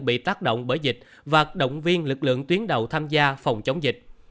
bị tác động bởi dịch và động viên lực lượng tuyến đầu tham gia phòng chống dịch